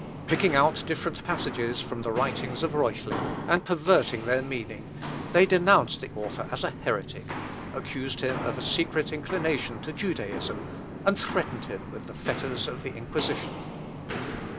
Picking out different passages from the writings of Reuchlin, and perverting their meaning, they denounced the author as a heretic, accused him of a secret inclination to Judaism, and threatened him with the fetters of the Inquisition.